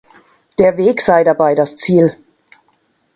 Der Weg sei dabei das Ziel.